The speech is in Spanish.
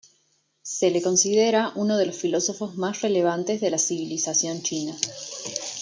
Se le considera uno de los filósofos más relevantes de la civilización china.